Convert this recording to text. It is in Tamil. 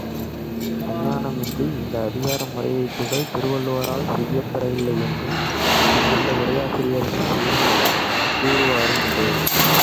அங்ஙணமின்றி இந்த அதிகார முறைவைப்புகள் திருவள்ளுவரால் செய்யப்பெறவில்லையென்றும் பின் வந்த உரையாசிரியர்கள் செய்தனரென்றும் கூறுவாரும் உண்டு.